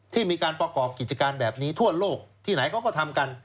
ที่มีการประกอบกิจการแบบนี้ทั่วโลกที่ไหนเขาก็ทำกัน